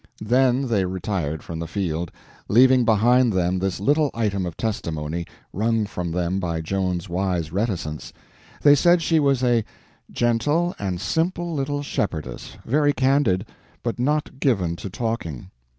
Then they retired from the field, leaving behind them this little item of testimony, wrung from them by Joan's wise reticence: they said she was a "gentle and simple little shepherdess, very candid, but not given to talking."